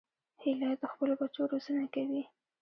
هیلۍ د خپلو بچو روزنه کوي